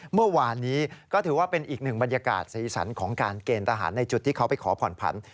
เมื่อวานนี้ก็ถือว่าเป็นอีกหนึ่งบรรยากาศสีสันของการเกณฑ์ทหารในจุดที่เขาไปขอผ่อนผัน